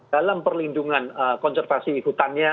dalam perlindungan konservasi hutannya